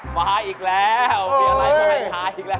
มาอีกแล้วมีอะไรมาให้หาอีกแล้ว